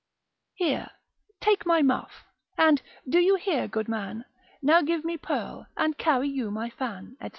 Here, take my muff, and, do you hear, good man; Now give me pearl, and carry you my fan, &c.